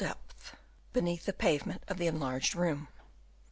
217 beneath the pavement of the enlarged room.